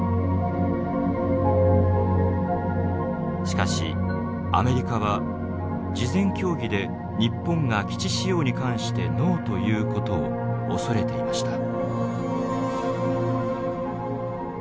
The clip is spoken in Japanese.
しかしアメリカは事前協議で日本が基地使用に関して「ノー」ということを恐れていました。